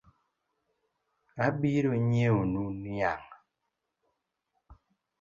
Abironyieonu niang’